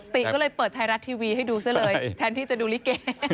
ติก็เลยเปิดไทยรัฐทีวีให้ดูซะเลยแทนที่จะดูลิเก